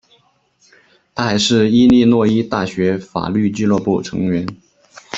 他还是伊利诺伊大学法律俱乐部成员。